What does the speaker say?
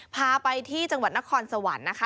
พาไปที่จังหวัดนครสวรรค์นะคะ